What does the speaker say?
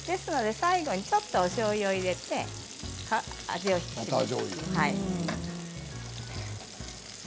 最後におしょうゆを入れて味を引き締めます。